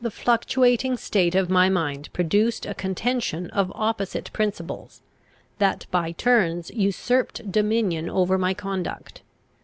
The fluctuating state of my mind produced a contention of opposite principles, that by turns usurped dominion over my conduct.